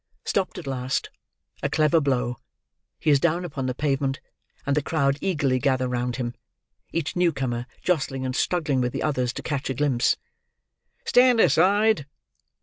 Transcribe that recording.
Stopped at last! A clever blow. He is down upon the pavement; and the crowd eagerly gather round him: each new comer, jostling and struggling with the others to catch a glimpse. "Stand aside!"